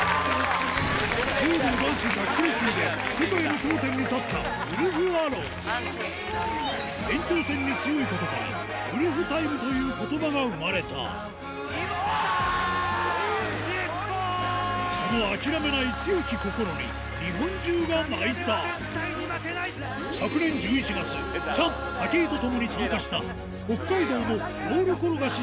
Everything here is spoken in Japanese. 柔道男子１００ｋｇ級で世界の頂点に立ったウルフアロン延長戦に強いことから「ウルフタイム」という言葉が生まれたその諦めない強き心に日本中が泣いた昨年１１月チャン武井と共に参加した北海道のロール転がし